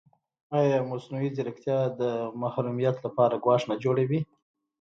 ایا مصنوعي ځیرکتیا د محرمیت لپاره ګواښ نه جوړوي؟